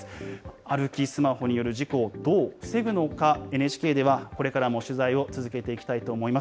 歩きスマホによる事故をどう防ぐのか、ＮＨＫではこれからも取材を続けていきたいと思います。